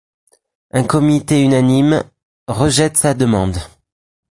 Un comité unanime, rejette sa demande.